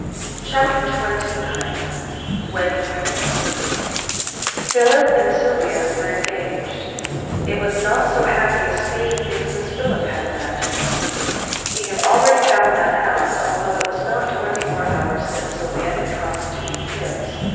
CHAPTER XXIX WEDDING RAIMENT Philip and Sylvia were engaged. It was not so happy a state of things as Philip had imagined. He had already found that out, although it was not twenty four hours since Sylvia had promised to be his.